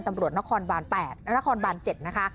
ตำรวจนครบาล๗นะคะ